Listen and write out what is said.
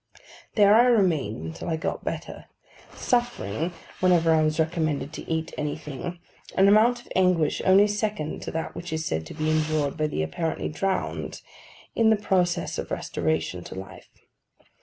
There I remained until I got better: suffering, whenever I was recommended to eat anything, an amount of anguish only second to that which is said to be endured by the apparently drowned, in the process of restoration to life.